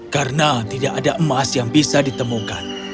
karena tidak ada emas yang bisa ditemukan